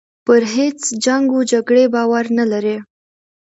پر هیچ جنګ و جګړې باور نه لري.